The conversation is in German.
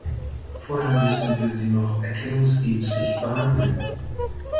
Vorher müssen wir Sie noch erkennungsdienstlich behandeln.